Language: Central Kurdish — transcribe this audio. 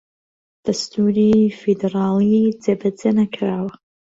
دەستووری فیدڕاڵی جێبەجێ نەکراوە